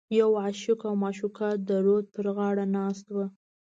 یو عاشق او معشوقه د رود په غاړه ناست و.